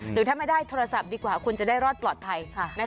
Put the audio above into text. หรือถ้าไม่ได้โทรศัพท์ดีกว่าคุณจะได้รอดปลอดภัย